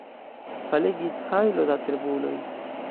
Falegis hajlo da terbuloj.